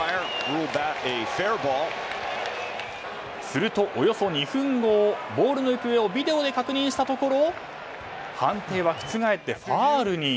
すると、およそ２分後ボールの行方をビデオで確認したところ判定は覆ってファウルに。